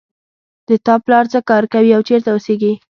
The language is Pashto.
د تا پلار څه کار کوي او چېرته اوسیږي